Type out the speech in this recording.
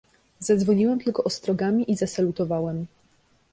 "Zadzwoniłem tylko ostrogami i zasalutowałem."